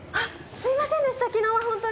すいませんでした昨日はホントに。